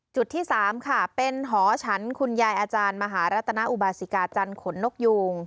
จุดที่๓ค่ะเป็นหอฉันคุณยายอาจารย์มหารัตนาอุบาสิกาจันทร์ขนนกยูง